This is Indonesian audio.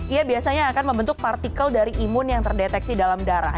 ia biasanya akan membentuk partikel dari imun yang terdeteksi dalam darah